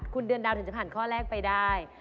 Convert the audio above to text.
คุณเดือนดาวถึงจะผ่านข้อแรกไปได้